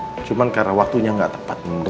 nah itulah niatnya memang mau minta maaf